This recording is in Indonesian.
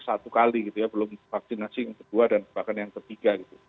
satu kali gitu ya belum vaksinasi yang kedua dan bahkan yang ketiga gitu